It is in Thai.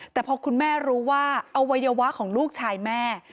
แต่พอคุณแม่รู้ว่าอวัยวะของลูกชายแม่